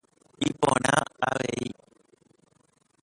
Iporã avei.